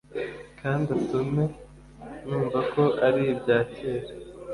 kandi utume numva ko ari ibya kera